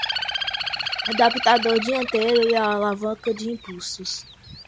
O adaptador dianteiro e a alavanca de impulsos